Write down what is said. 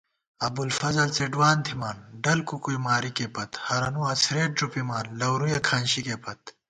ابُوالفضل څېڈوان تھِمان، ڈل کُکُوئی مارِکےپت * ہرَنُو اڅَھرېت ݫُپِمان لَورُیَہ کھانشِکےپت